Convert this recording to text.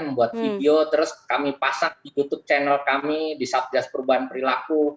membuat video terus kami pasang di youtube channel kami di satgas perubahan perilaku